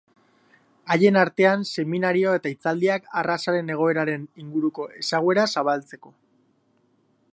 Haien artean seminario eta hitzaldiak arrazaren egoeraren inguruko ezaguera zabaltzeko.